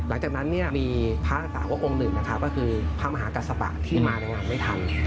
หลังจากนั้นเนี่ยมีพระอาจารย์ว่าองค์หนึ่งนะครับก็คือพระมหากษัตริย์ที่มาในงานไม่ทัน